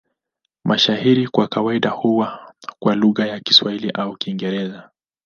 Mashairi kwa kawaida huwa kwa lugha ya Kiswahili au Kiingereza.